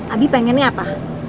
abi pengennya apa